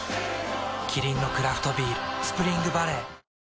キリンのクラフトビール「スプリングバレー」